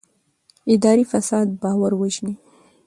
اداري فساد باور وژني